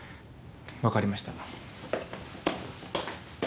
分かりました。